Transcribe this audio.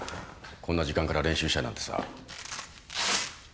こんな時間から練習したいなんてさ。